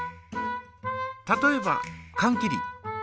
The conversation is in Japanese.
例えばかん切り。